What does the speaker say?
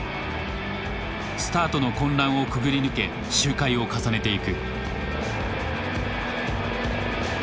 スタートの混乱をくぐり抜け周回を重ねていく。